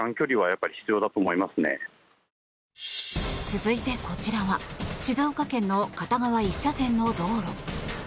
続いてこちらは静岡県の片側１車線の道路。